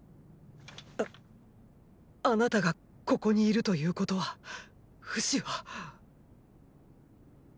ああなたがここにいるということはフシは。